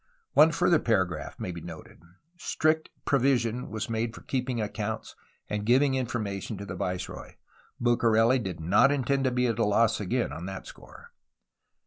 One' further para graph may be noticed. Strict provision was made for keep ing accounts and giving information to the viceroy; Bucareli did not intend to be at a loss again on that score.